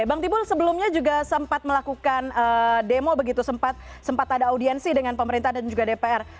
bang timbul sebelumnya juga sempat melakukan demo begitu sempat ada audiensi dengan pemerintah dan juga dpr